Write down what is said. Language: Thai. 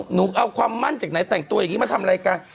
หนูเอาความมั่นจากไหนแต่งตัวอย่างนี้มาทำรายการ